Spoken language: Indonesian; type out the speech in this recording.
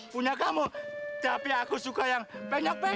punya kamu tapi aku suka yang penyok penyok